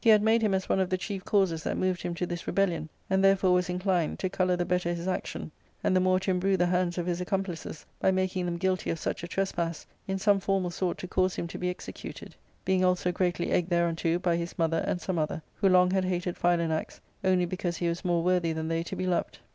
277 had made him as one of the chief causes that moved him to this rebellion, and therefore was inclined, to colour the better his action, and the more to embrue the hands of his accom plices by making them guilty of such a trespass, in some formal sort to cause him to be executed, being also greatly egged thereunto by his mother and some other, who long had hated Philanax, only because he was more worthy than they to be loved.